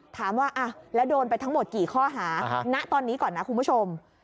ถามว่าแล้วโดนไปทั้งหมดกี่ข้อหาณตอนนี้ก่อนนะคุณผู้ชม